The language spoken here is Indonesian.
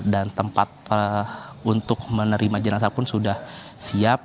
dan tempat untuk menerima jenazah pun sudah siap